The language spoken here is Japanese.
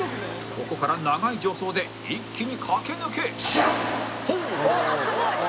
ここから長い助走で一気に駆け抜けポーズ！